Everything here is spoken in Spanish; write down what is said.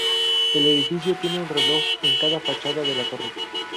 El edificio tiene un reloj en cada fachada de la torre.